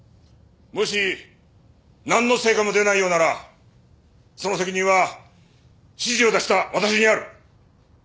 もしなんの成果も出ないようならその責任は指示を出した私にある。